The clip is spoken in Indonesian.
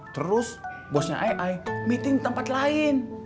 terus bosnya ai meeting tempat lain